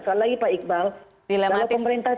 sekali lagi pak iqbal kalau pemerintah